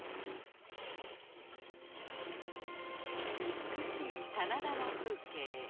美しい棚田の風景。